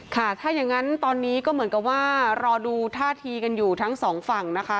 ค่ะถ้าอย่างนั้นตอนนี้ก็เหมือนกับว่ารอดูท่าทีกันอยู่ทั้งสองฝั่งนะคะ